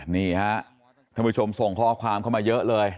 นี่ฮะท่านผู้ชมส่งข้อความเข้ามาเยอะเลย